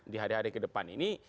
di hari hari ke depan ini